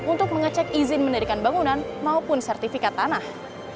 untuk mengecek izin mendirikan bangunan maupun sertifikat tanah